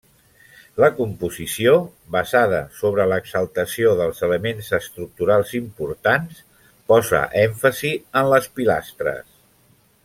La composició, basada sobre l'exaltació dels elements estructurals importants, posa èmfasi en les pilastres.